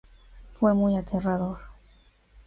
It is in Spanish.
Fue muy aterrador".